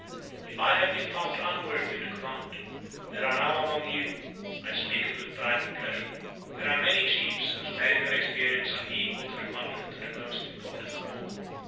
If I have been found unworthy of the command, there are now among you, (I speak it with pride and pleasure,) there are many chiefs whose merit and experience are equal to the conduct of the most important war.